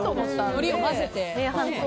のりを混ぜて。